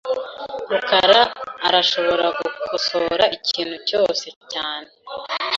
rukara arashobora gukosora ikintu cyose cyane.